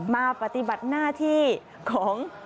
มาปฏิบัติหน้าที่ของ